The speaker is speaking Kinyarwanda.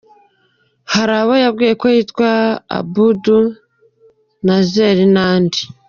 Hari abo yabwiye ko yitwa Abdul, Naser n’andi.